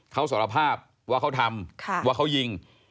เขาสารภาพว่าเขาทำว่าเขายิง